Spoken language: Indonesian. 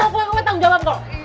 gue tanggung jawab kok